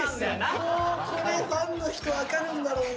もうこれファンの人分かるんだろうな。